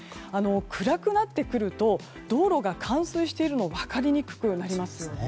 暗くなってくると道路が冠水しているのが分かりにくくなりますよね。